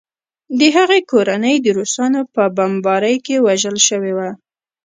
د هغې کورنۍ د روسانو په بمبارۍ کې وژل شوې وه